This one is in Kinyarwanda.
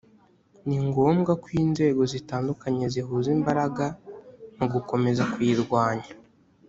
Ni ngombwa ko inzego zitandukanye zihuza imbaraga mu gukomeza kuyirwanya